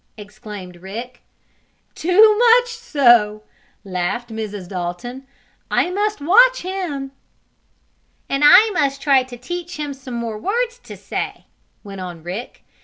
exclaimed Rick. "Too much so!" laughed Mrs. Dalton. "I must watch him." "And I must try to teach him some more words to say," went on Rick.